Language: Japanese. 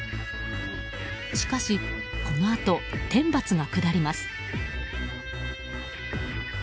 しかしこのあと天罰が下ります。